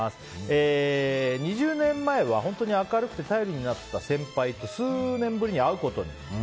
２０年前は本当に明るくて頼りになった先輩と数年ぶりに会うことに。